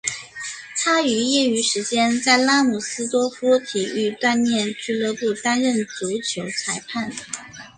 他于业余时间在拉姆斯多夫体育锻炼俱乐部担当足球裁判。